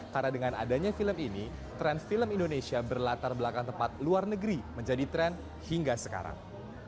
karena dengan adanya film ini tren film indonesia berlatar belakang tempat luar negeri menjadi tren hingga sekarang